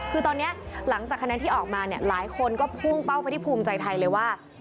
คือตอนนี้หลังจากคะแนนที่ออกมาเนี่ยหลายคนก็พุ่งเป้าไปที่ภูมิใจไทยเลยว่า